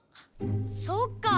そっか。